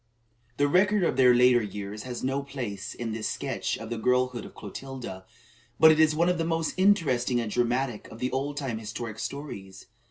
The record of their later years has no place in this sketch of the girlhood of Clotilda; but it is one of the most interesting and dramatic of the old time historic stories.